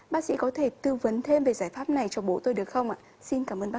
bác sĩ có thể tư vấn thêm về giải pháp này cho bố tôi được không ạ